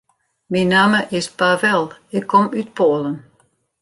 Myn namme is Pavel, ik kom út Poalen.